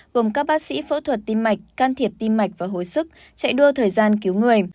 gồm các bác sĩ phẫu thuật tim mạch can thiệp tim mạch và hồi sức chạy đua thời gian cứu người